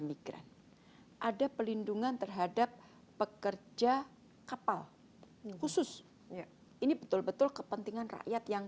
migran ada pelindungan terhadap pekerja kapal khusus ini betul betul kepentingan rakyat yang